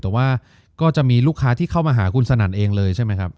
แต่ว่าก็จะมีลูกค้าที่เข้ามาหาคุณสนั่นเองเลยใช่ไหมครับ